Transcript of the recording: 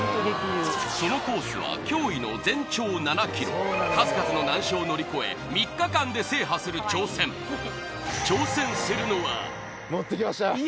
そのコースは驚異の全長７ｋｍ数々の難所を乗り越え３日間で制覇する挑戦イエーイ今年